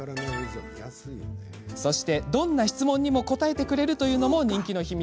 そして、どんな質問にも答えてくれるということも人気の秘密。